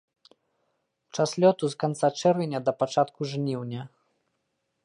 Час лёту з канца чэрвеня да пачатку жніўня.